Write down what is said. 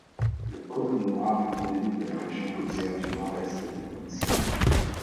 Le kauri noir est endémique de la région côtière du nord-est du Queensland.